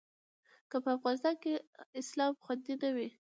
که په افغانستان کې اسلام خوندي نه وي.